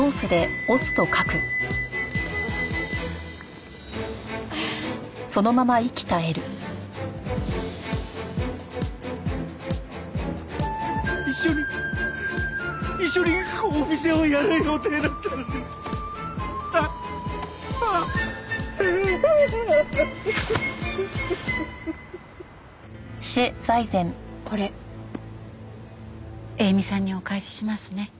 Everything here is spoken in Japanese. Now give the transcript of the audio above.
これ映見さんにお返ししますね。